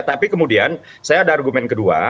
tapi kemudian saya ada argumen kedua